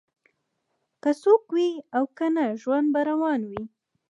که څوک وي او کنه ژوند به روان وي